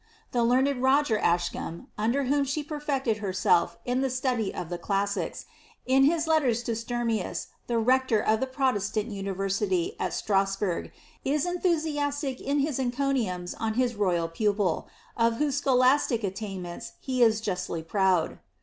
The learned Roger Ascham, under whom she perfected herself ^n the study of the classics, in his letten to Sturmius, the rector of the Protestant university, at Strasbuig, is enthusiastic in his encomiums on his royal pupil, of whose scholastic attainments he is justly proud.